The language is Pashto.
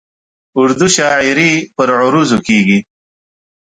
اردو شاعري پر عروضو کېږي.